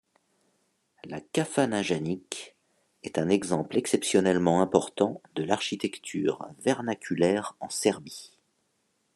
La kafana Janić est un exemple exceptionnellement important de l'architecture vernaculaire en Serbie.